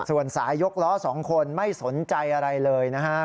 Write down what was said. ส่วนสายยกล้อ๒คนไม่สนใจอะไรเลยนะฮะ